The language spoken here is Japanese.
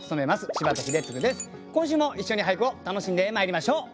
今週も一緒に俳句を楽しんでまいりましょう。